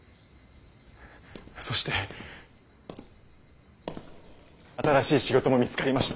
そして新しい仕事も見つかりました。